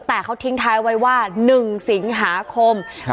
แต่เขาทิ้งท้ายไว้ว่าหนึ่งสิงหาคมครับ